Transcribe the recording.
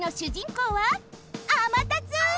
こうはあまたつ！